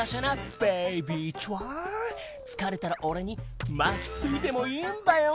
つかれたらおれにまきついてもいいんだよ。